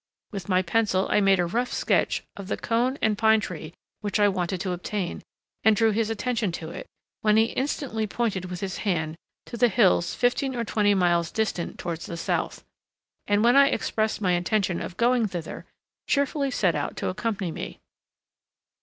With my pencil I made a rough sketch of the cone and pine tree which I wanted to obtain, and drew his attention to it, when he instantly pointed with his hand to the hills fifteen or twenty miles distant towards the south; and when I expressed my intention of going thither, cheerfully set out to accompany me.